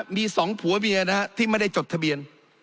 มี๒ผัวเมียที่ไม่ได้จดทะเบียน